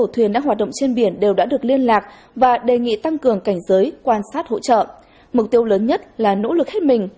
thế giới quan sát hỗ trợ mục tiêu lớn nhất là nỗ lực hết mình